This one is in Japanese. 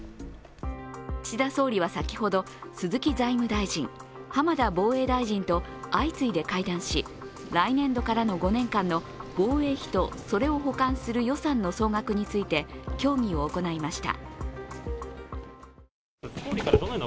岸田総理は先ほど、鈴木財務大臣浜田防衛大臣と相次いで会談し、来年度からの５年間の防衛費とそれを補完する予算の総額について協議を行いました。